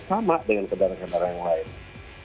sama dengan kendaraan kendaraan yang lain